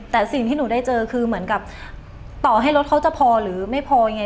แต่สิ่งที่หนูได้เจอคือเหมือนกับต่อให้รถเขาจะพอหรือไม่พอยังไง